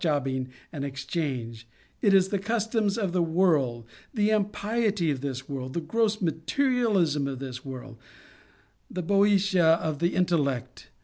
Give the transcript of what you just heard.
259 jobbing and exchange ; it is the customs of this world, the impiety of this world, the gross materialism of this world, the Bceotia of the intellect.